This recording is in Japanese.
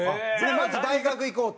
まず大学行こうと。